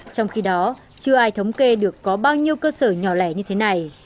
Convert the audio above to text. trong khi đó chưa ai thống kê được có bao nhiêu cơ sở nhỏ lẻ như thế này